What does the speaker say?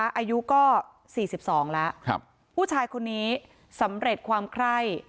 อายุก็สี่สิบสองแล้วครับผู้ชายคนนี้สำเร็จความไคร่